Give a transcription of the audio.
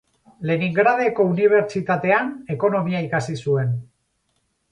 Leningradeko Unibertsitatean ekonomia ikasi zuen.